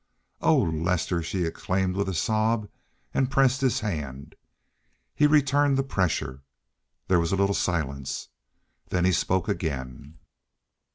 "Oh, Lester," she exclaimed with a sob, and pressed his hand. He returned the pressure. There was a little silence. Then he spoke again.